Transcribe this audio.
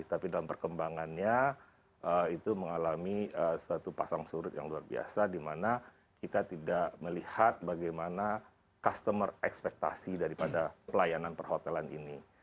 tapi dalam perkembangannya itu mengalami suatu pasang surut yang luar biasa di mana kita tidak melihat bagaimana customer ekspektasi daripada pelayanan perhotelan ini